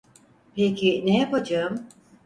Peki ne yapacağım?